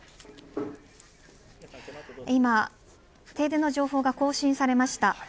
今、停電の情報が更新されました。